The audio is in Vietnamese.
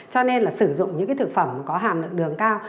cho nên là sử dụng những thực phẩm có hàm lượng đường cao